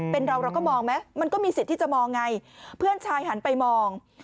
เป็นเราเราก็มองไหมมันก็มีสิทธิ์ที่จะมองไงเพื่อนชายหันไปมอง